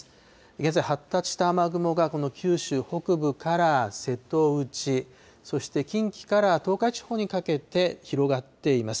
現在、発達した雨雲がこの九州北部から瀬戸内、そして近畿から東海地方にかけて、広がっています。